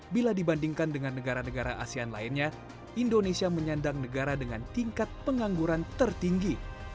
bila dibandingkan dengan negara negara asean lainnya indonesia menyandang negara dengan tingkat pengangguran tertinggi